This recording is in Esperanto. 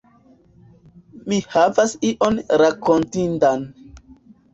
Mi havas ion rakontindan.